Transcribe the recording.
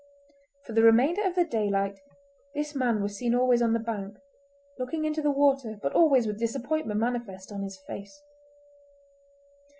For the remainder of the daylight this man was seen always on the bank, looking into the water, but always with disappointment manifest on his face.